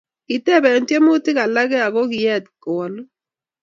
kitebe tyemutik alaken aku kiet kowolu